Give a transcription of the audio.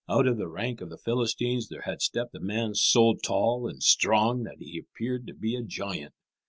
Out of the rank of the Philistines there had stepped a man so tall and strong that he appeared to be a giant.